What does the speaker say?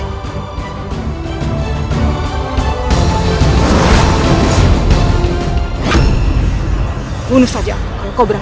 jangan lupa subscribe channel r tayang